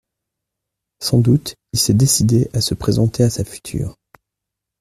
Sans doute il s’est décidé à se présenter à sa future.